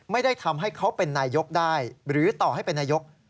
ไม่ได้ทำให้เขาเป็นนายกได้หรือต่อให้เป็นนายก